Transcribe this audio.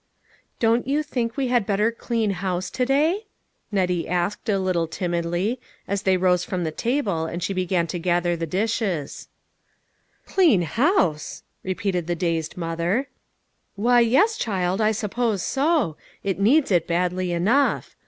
" Don't you think we had better clean house A GBEAT UNDERTAKING. 93 to day ?" Nettie asked a little timidly, as they rose from the table and she began to gather the dishes. " Clean house !" repeated the dazed mother. "Why, yes, child, I suppose so. It needs it badly enough.